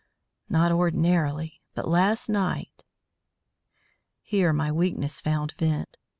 "Not ordinarily. But last night " Here my weakness found vent.